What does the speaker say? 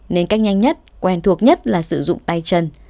nên cách nhanh nhất quen thuộc nhất là sử dụng tay chân